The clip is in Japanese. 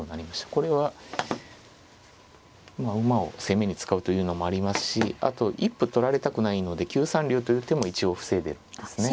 これはまあ馬を攻めに使うというのもありますしあと一歩取られたくないので９三竜という手も一応防いでるんですね。